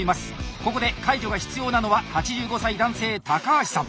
ここで介助が必要なのは８５歳男性高橋さん。